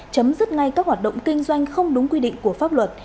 chấm dứt ngay các hoạt động kinh doanh không đúng quy định của pháp luật